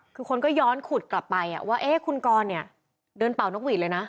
คือคนก็ย้อนขุดกลับไปว่าเอ๊ะคุณกรเนี่ยเดินเป่านกหวีดเลยนะ